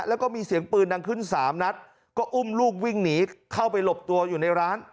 แล้วก็มีเสียงปืนดังขึ้นสามนัดก็อุ้มลูกวิ่งหนีเข้าไปหลบตัวอยู่ในร้าน